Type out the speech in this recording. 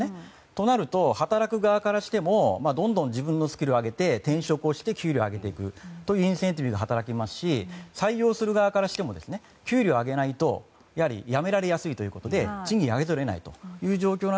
となると働く側からしてもどんどん自分のスキルを上げて転職をして給料を上げていくインセンティブも働きますし採用する側からしても給料を上げないと辞められやすいということで賃金を上げざるを得ない。